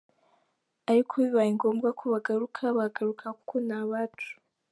Ariko bibaye ngombwa ko bagaruka bagaruka kuko ni abacu.